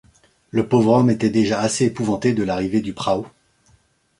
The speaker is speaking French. Le pauvre homme était déjà assez épouvanté de l’arrivée du prao.